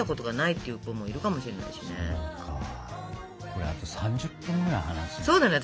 これあと３０分ぐらい話せるね。